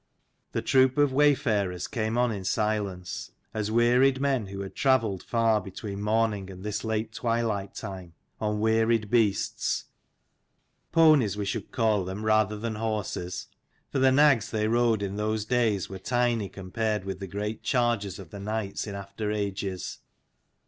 The troop of way farers came on in silence, as wearied men who had travelled far between morning and this late twilight time, on wearied beasts, ponies we should call them rather than horses : for the nags they rode in those 128 days were tiny compared with the great chargers of the knights in after ages.